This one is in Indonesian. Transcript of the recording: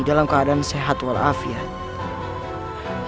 dalam keadaan sehat dan baik